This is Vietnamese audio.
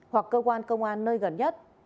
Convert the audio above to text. hoặc cơ quan công an nơi gần nhất